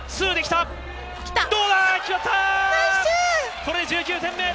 これ、１９点目。